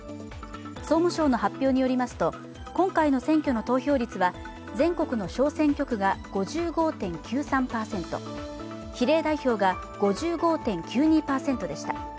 総務省の発表によりますと今回の選挙の投票率は全国の小選挙区が５５．９３％比例代表が５５．９２％でした。